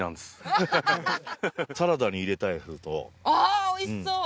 ああおいしそう！